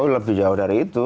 lebih jauh dari itu